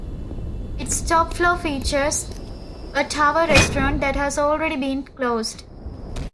Its top floor features a tower restaurant, that has already been closed.